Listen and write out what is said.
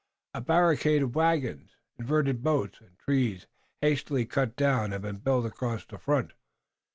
A barricade of wagons, inverted boats, and trees hastily cut down had been built across the front.